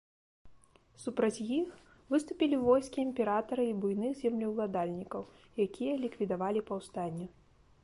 Супраць іх выступілі войскі імператара і буйных землеўладальнікаў, якія ліквідавалі паўстанне.